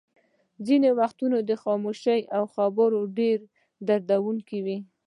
ځینې وختونه خاموشي له خبرو ډېره دردوونکې وي.